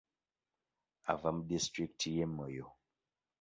Ava mu disitulikiti y'e Moyo.